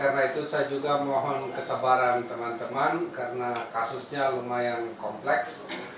karena itu saya juga mohon kesebaran teman teman karena kasusnya lumayan kompleks